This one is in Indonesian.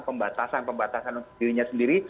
pembatasan pembatasan dirinya sendiri